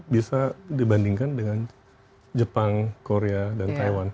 bisa dibandingkan dengan jepang korea dan taiwan